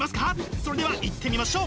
それではいってみましょう！